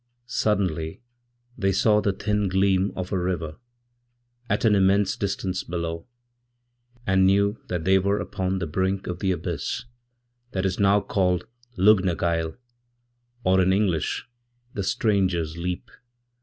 Suddenly they saw the thin gleam of a river, at an immensedistance below, and knew that they were upon the brink of the abyssthat is now called Lug na Gael, or in English the Stranger's Leap.